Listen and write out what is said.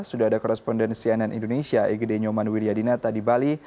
sudah ada korespondensi ann indonesia igd nyoman wiryadinate di bali